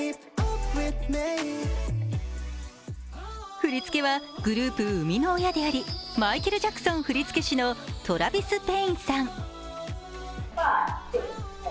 振り付けはグループ生みの親でありマイケル・ジャクソン振り付け師のトラヴィス・ペインさん。